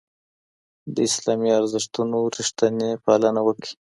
د اسلامي ارزښتونو رښتینې پالنه وکړئ.